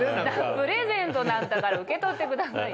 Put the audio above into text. プレゼントなんだから受け取ってくださいよ。